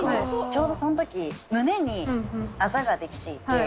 ちょうどその時胸にアザができていて。